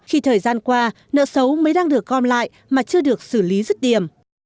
khi thời gian qua nợ xấu mới đang được gom lại mà chưa được xử lý rứt điểm